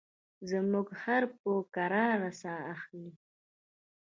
زموږ خر په کراره ساه اخلي.